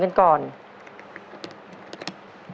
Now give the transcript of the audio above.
ต่อเร็วครับ